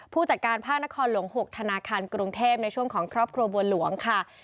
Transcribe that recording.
ผู้จัดการภาคนครหลวง๖ธนาคารกรุงเทพในช่วงของครอบครัวบัวหลวงค่ะ